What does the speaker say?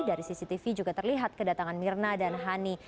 dari cctv juga terlihat kedatangan mirna dan hani